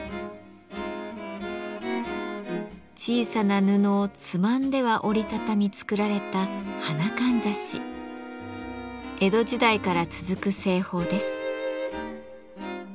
小さな布をつまんでは折り畳み作られた江戸時代から続く製法です。